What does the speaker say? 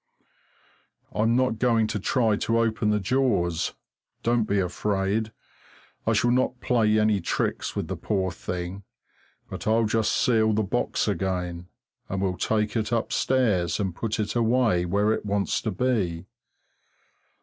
I'm not going to try to open the jaws, don't be afraid! I shall not play any tricks with the poor thing, but I'll just seal the box again, and we'll take it upstairs and put it away where it wants to be.